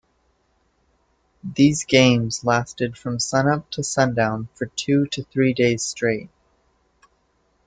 These games lasted from sunup to sundown for two to three days straight.